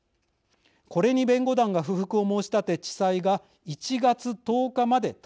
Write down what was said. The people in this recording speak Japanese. これに弁護団が不服を申し立て地裁が１月１０日まで短縮しました。